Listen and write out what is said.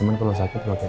mungkin kalau sakit oke